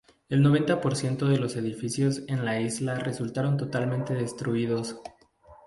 El noventa por ciento de los edificios en la isla resultaron totalmente destruidos.